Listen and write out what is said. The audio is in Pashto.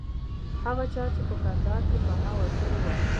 هغه چا چې په کندهار کې پناه ورکړې وه.